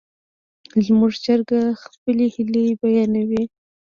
زموږ چرګه خپلې هیلې بیانوي.